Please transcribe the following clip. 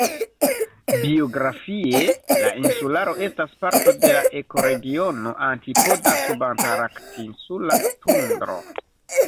Biogeografie la insularo estas parto de la ekoregiono "antipoda-subantarktinsula tundro".